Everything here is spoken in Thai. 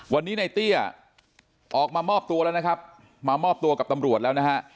วันนี้ในเตี้ยออกมามอบตัวแล้วนะครับมามอบตัวกับตำรวจแล้วนะฮะ